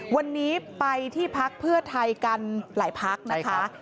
วันนี้ไปที่พักเพื่อไทยกันหลายพักนะคะ